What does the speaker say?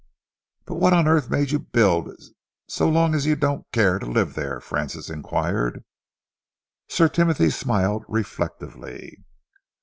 "But what on earth made you build it, so long as you don't care to live there?" Francis enquired. Sir Timothy smiled reflectively.